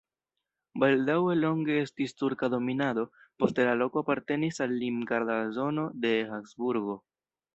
Baldaŭe longe estis turka dominado, poste la loko apartenis al limgarda zono de Habsburgoj.